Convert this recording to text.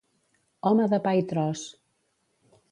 Home de pa i tros.